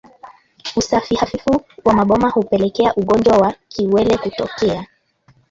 Usafi hafifu wa maboma hupelekea ugonjwa wa kiwele kutokea